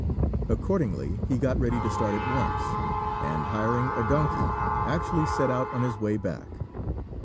Accordingly, he got ready to start at once, and, hiring a donkey, actually set out on his way back.